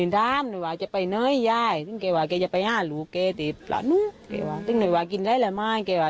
เราได้ถามเขาไหมคะ